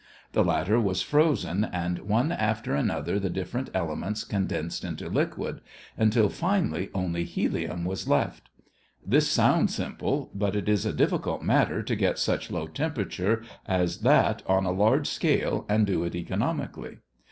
The latter was frozen and one after another the different elements condensed into liquid, until finally only helium was left. This sounds simple, but it is a difficult matter to get such low temperature as that on a large scale and do it economically.